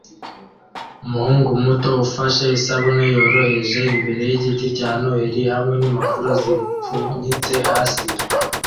Umuhungu muto ufashe isabune yoroheje imbere yigiti cya Noheri hamwe nimpapuro zipfunyitse hasi